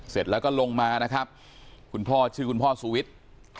เสร็จแล้วก็ลงมานะครับคุณพ่อชื่อคุณพ่อสุวิทย์